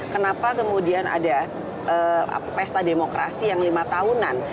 kenapa kemudian ada pesta demokrasi yang lima tahunan